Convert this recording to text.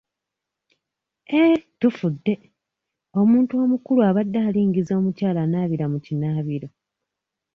Eh tufudde! Omuntu omukulu abadde alingiza omukyala anaabira mu kinaabiro.